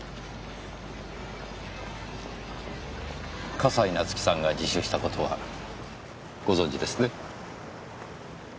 笠井夏生さんが自首した事はご存じですね？